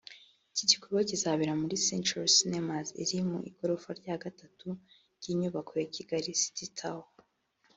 Iki gikorwa kizabera muri Century Cinemas iri mu igorofa rya gatatu ry’inyubako ya Kigali City Tower